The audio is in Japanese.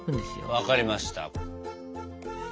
分かりました。